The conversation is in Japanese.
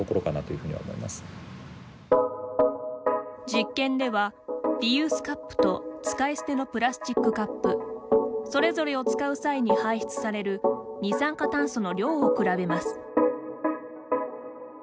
実験ではリユースカップと使い捨てのプラスチックカップそれぞれを使う際に排出される二酸化炭素の量を比べます。